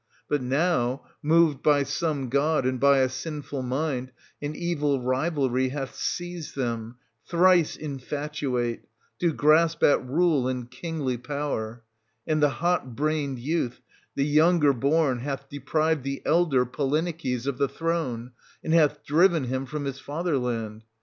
But now, moved by some god and by a sinful mind, an evil rivalry hath seized them, thrice infatuate !— to grasp at rule and kingly power. And the hot brained youth, the younger born, hath deprived the elder, Polyneices, of the throne, and hath driven him from his father land.